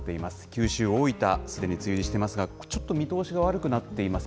九州、大分、すでに梅雨入りしていますが、ちょっと見通しが悪くなっています。